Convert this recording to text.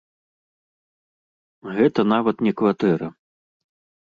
Гэта нават не кватэра.